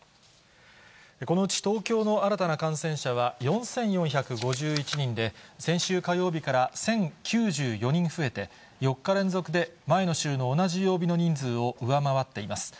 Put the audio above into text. このうち東京の新たな感染者は、４４５１人で、先週火曜日から１０９４人増えて、４日連続で前の週の同じ曜日の人数を上回っています。